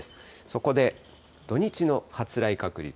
そこで、土日の発雷確率。